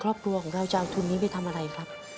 ครอบครัวของเราจะเอาทุนนี้ไปทำอะไรครับ